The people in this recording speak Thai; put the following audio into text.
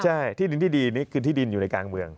ใช่ที่ดินที่ดีนี่คือที่ดินอยู่ในกลางเมือง